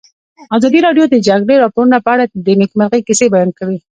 ازادي راډیو د د جګړې راپورونه په اړه د نېکمرغۍ کیسې بیان کړې.